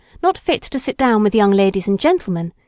Not fit to sit down with young ladies and gentlemen.